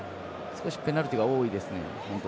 ペナルティが多いですね。